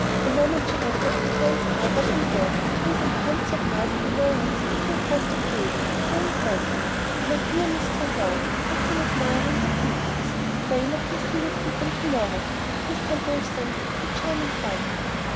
The moment she entered Treherne's eye was on her, and to his intense surprise and annoyance she addressed Octavia, saying blandly, "My dear Miss Treherne, I've been admiring your peacocks. Pray let me see you feed them tomorrow. Miss Talbot says it is a charming sight."